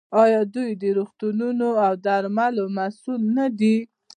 آیا دوی د روغتونونو او درملو مسوول نه دي؟